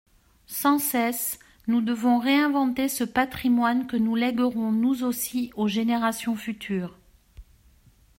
Sans cesse nous devons réinventer ce patrimoine que nous léguerons nous aussi aux générations futures.